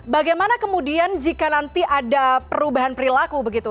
bagaimana kemudian jika nanti ada perubahan perilaku begitu